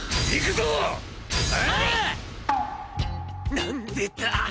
何でだ！